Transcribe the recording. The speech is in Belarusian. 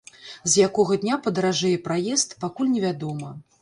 З якога дня падаражэе праезд, пакуль не вядома.